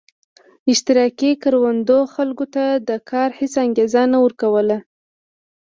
اشتراکي کروندو خلکو ته د کار هېڅ انګېزه نه ورکوله